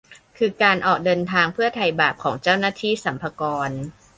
คือการออกเดินทางเพื่อไถ่บาปของเจ้าหน้าที่สรรพากร